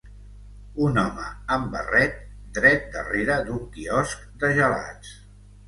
Un home amb barret dret darrere d'un quiosc de gelats.